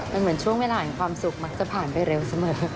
มันเหมือนช่วงเวลาแห่งความสุขมักจะผ่านไปเร็วเสมอ